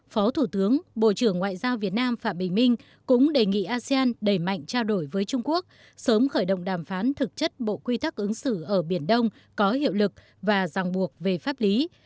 phó thủ tướng bộ trưởng ngoại giao việt nam phạm bình minh cũng đề nghị asean đẩy mạnh trao đổi với trung quốc sớm khởi động đàm phán thực chất bộ quy tắc ứng xử ở biển đông có hiệu lực và giảng buộc về pháp lý